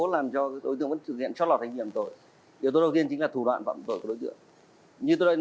làm cho đối tượng vẫn thực hiện trót lọt hành vi hành tội